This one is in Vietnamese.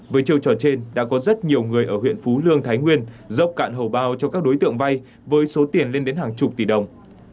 với chiêu trò trên đã có rất nhiều người ở huyện phú lương thái nguyên dốc cạn hầu bao cho các đối tượng vay với số tiền lên đến hàng chục tỷ đồng